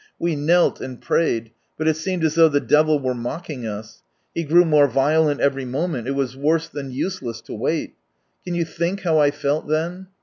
We knelt and prayed, but it seemed as though the devil were mocking us. He grew more violent every moment; it was worse than useless to wait Can you think how I felt then